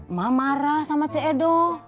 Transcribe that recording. emak marah sama c edo